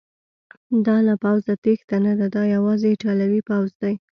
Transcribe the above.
دا له پوځه تیښته نه ده، دا یوازې ایټالوي پوځ دی.